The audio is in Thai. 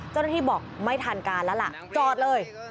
เจ้าหน้าที่บอกไม่ทันการแล้วล่ะจอดเลย